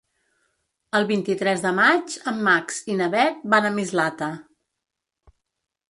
El vint-i-tres de maig en Max i na Bet van a Mislata.